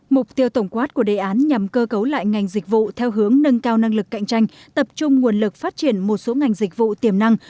mục tiêu tổng quát của đề án nhằm cơ cấu lại ngành dịch vụ theo hướng nâng cao năng lực cạnh tranh tập trung nguồn lực phát triển một số ngành dịch vụ tiềm năng